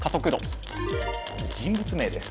人物名です。